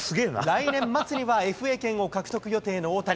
来年末にはＦＡ権を獲得予定の大谷。